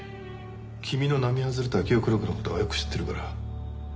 君の並外れた記憶力の事はよく知ってるから。